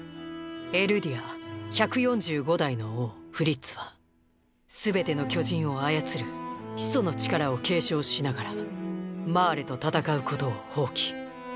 エルディア１４５代の王フリッツはすべての巨人を操る「始祖の力」を継承しながらマーレと戦うことを放棄。